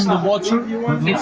dan mengeluarkan filter